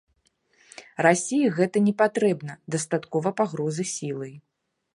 Расіі гэта не патрэбна, дастаткова пагрозы сілай.